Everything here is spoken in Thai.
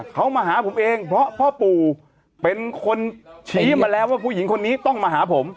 เขามาหาผมเองเพราะพ่อปู่เป็นคนชี้มาแล้วว่าผู้หญิงคนนี้ต้องมาหาผม